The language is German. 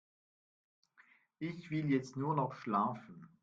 Ich will jetzt nur noch schlafen.